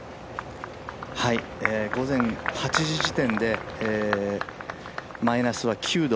午前８時時点で、マイナスは９度。